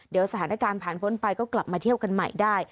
เดี๋ยวสถานการณ์ผ่านพ้นไปก็กลับมาเที่ยวกันใหม่ได้